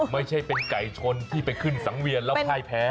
ไม่ใช่เป็นไก่ชนที่ไปขึ้นสังเวียนแล้วพ่ายแพ้